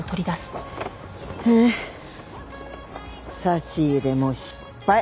差し入れも失敗。